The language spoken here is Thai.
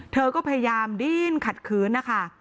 เธอก็พยายามดิ้นขัดขืนนะคะ